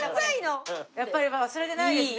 やっぱり忘れてないですね。